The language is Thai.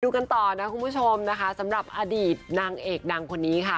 กันต่อนะคุณผู้ชมนะคะสำหรับอดีตนางเอกดังคนนี้ค่ะ